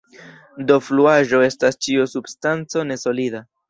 Do fluaĵo estas ĉiu substanco ne-solida.